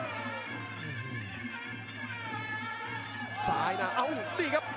ทางซ้ายนะเอ้าดีครับ